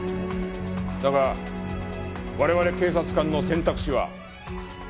だが我々警察官の選択肢は常に１つだ。